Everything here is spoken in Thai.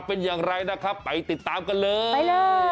เป็นอย่างไรนะครับไปติดตามกันเลยไปเลย